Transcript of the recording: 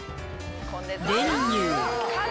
練乳。